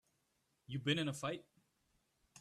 You been in a fight?